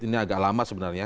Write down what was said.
ini agak lama sebenarnya